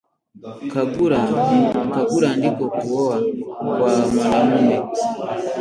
Kugura ndiko kuoa kwa mwanamume